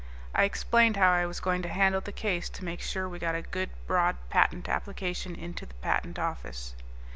I explained how I was going to handle the case to make sure we got a good, broad patent application into the Patent Office.